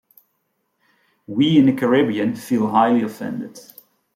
We in the Caribbean feel highly offended.